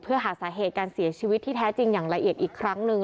เพื่อหาสาเหตุการเสียชีวิตที่แท้จริงอย่างละเอียดอีกครั้งหนึ่ง